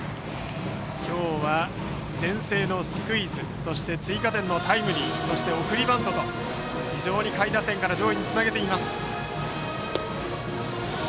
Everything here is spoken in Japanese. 今日は先制のスクイズそして追加点のタイムリーそして送りバントと非常に、下位打線から上位につなげています。